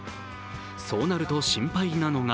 そうなると心配なのが